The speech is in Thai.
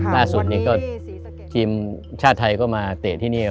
ล่าสุดนี้ก็ทีมชาติไทยก็มาเตะที่นี่